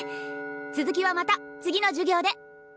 続きはまた次の授業で。